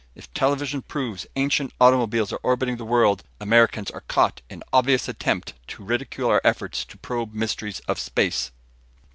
If television proves ancient automobiles are orbiting the world, Americans are caught in obvious attempt to ridicule our efforts to probe mysteries of space."